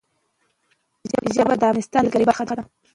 ژبې د افغانستان د سیلګرۍ برخه ده.